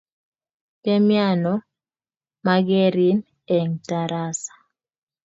Ke miano? mokerin eng' tarasa